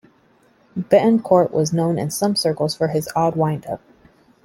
Betancourt was known in some circles for his odd windup.